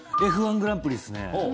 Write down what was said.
Ｆ−１グランプリですね。